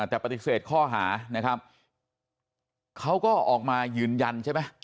แต่ปฏิเสธข้อหานะครับเขาก็ออกมายืนยันใช่ไหม